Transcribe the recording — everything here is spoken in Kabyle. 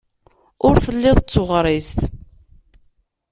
Ur telliḍ d tuɣrist.